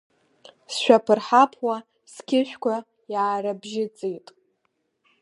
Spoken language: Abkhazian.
Сшәаԥырҳаԥуа сқьышәқәа иаарыбжьыҵит.